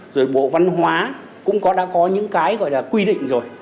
rồi bộ văn hóa cũng đã có những cái gọi là quy định rồi